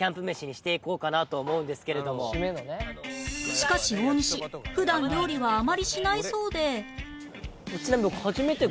しかし大西普段料理はあまりしないそうで